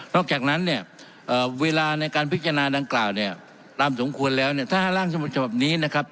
จากนั้นเนี่ยเวลาในการพิจารณาดังกล่าวเนี่ยตามสมควรแล้วเนี่ยถ้าร่างทรงฉบับนี้นะครับ